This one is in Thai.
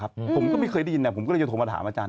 ครับอืมผมก็ไม่เคยได้ยินน่ะผมก็เลยจะโทรมาถามอาจารย์